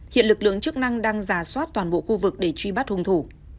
hiện lực lượng chức năng đang giả soát toàn bộ khu vực để truy bắt hung thủ